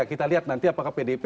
kita lihat nanti apakah pdip